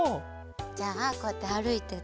じゃあこうやってあるいてて。